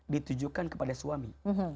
ditujukan kepada suami